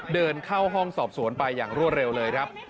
เดินเข้าห้องสอบสวนไปอย่างรวดเร็วเลยครับ